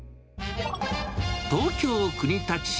東京・国立市。